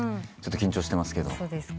ちょっと緊張してますけど。